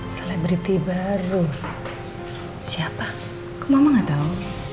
selebriti baru siapa kemauan atau